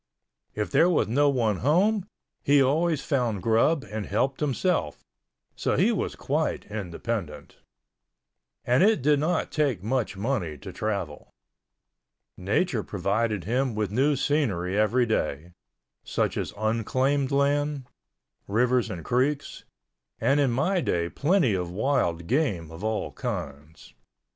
If there was no one home, he always found grub and helped himself, so he was quite independent—and it did not take much money to travel. Nature provided him with new scenery every day, such as unclaimed land, rivers and creeks, and in my day plenty of wild game of all kinds.